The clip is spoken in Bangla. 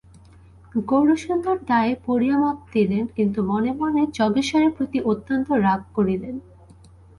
গৌরসুন্দর দায়ে পড়িয়া মত দিলেন কিন্তু মনে মনে যজ্ঞেশ্বরের প্রতি অত্যন্ত রাগ করিলেন।